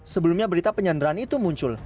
sebelumnya berita penyanderaan itu muncul